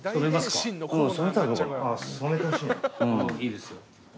いいですよ。